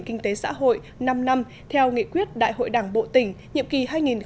kinh tế xã hội năm năm theo nghị quyết đại hội đảng bộ tỉnh nhiệm kỳ hai nghìn một mươi năm hai nghìn hai mươi